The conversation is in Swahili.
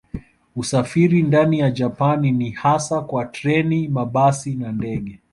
Usafiri ndani ya Japani ni hasa kwa treni, mabasi na ndege.